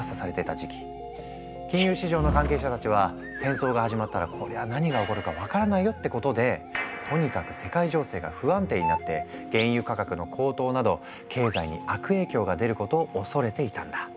金融市場の関係者たちは「戦争が始まったらこりゃ何が起こるか分からないよ」ってことでとにかく世界情勢が不安定になって原油価格の高騰など経済に悪影響が出ることを恐れていたんだ。